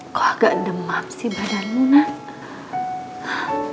aku agak demam sih badanmu nay